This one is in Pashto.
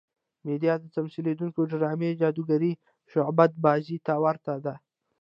میډیا د تمثیلېدونکې ډرامې جادوګرې شعبده بازۍ ته ورته ده.